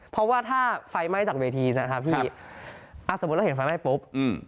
เพราะว่าถ้าไฟไม่จากเวทีนะครับพี่สมมติเราเห็นไฟไม่ปุ๊บ